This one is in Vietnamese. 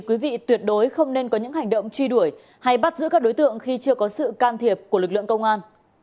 quý vị tuyệt đối không nên có những hành động truy đuổi hay bắt giữ các đối tượng khi chưa có sự can thiệp của lực lượng công an